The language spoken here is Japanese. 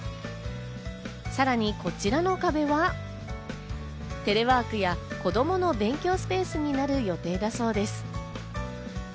さらにこちらの壁は、テレワークや子供の勉強スペースになる予定だそうです。